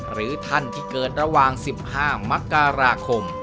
หรือท่านที่เกิดระหว่าง๑๕มกราคม